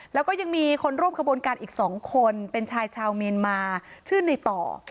แล้วก็ยังมีคนร่วมขบวนการอีก๒คนเป็นชายชาวเมียนมาชื่อในต่อ